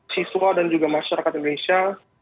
siswa dan juga masyarakat indonesia